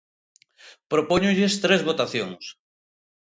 Propóñolles tres votacións.